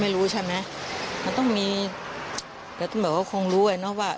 ไม่รู้ใช่ไหมมันต้องมีแต่แบบว่าคงรู้อ่ะเนอะว่า